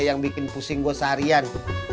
yang bikin pusing gue seharian